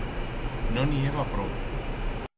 No n'i heba pro.